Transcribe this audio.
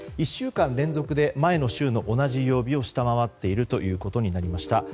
１週間連続で前の週の同じ曜日を下回っているということになりました。